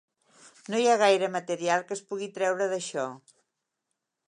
No hi ha gaire material que es pugui treure d'això.